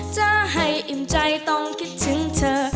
จะให้อิ่มใจต้องคิดถึงเธอ